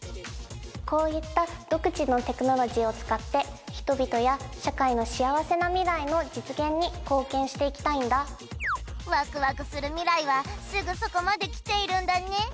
こういった独自のテクノロジーを使って人々や社会の幸せな未来の実現に貢献していきたいんだワクワクする未来はすぐそこまで来ているんだね